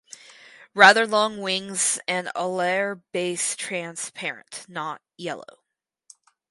Rather long wings and alar base transparent (not yellow).